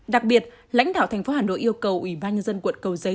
đặc biệt lãnh đạo thành phố hà nội yêu cầu ủy ban nhân dân quận cầu giấy